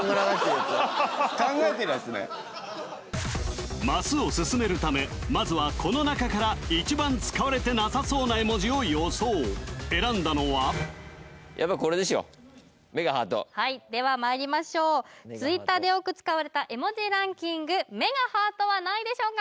考えてるやつねマスを進めるためまずはこの中から一番使われてなさそうな絵文字を予想選んだのはやっぱこれでしょ目がハートはいではまいりましょうＴｗｉｔｔｅｒでよく使われた絵文字ランキング目がハートは何位でしょうか？